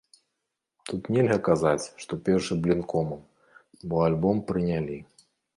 Тут нельга казаць, што першы блін комам, бо альбом прынялі.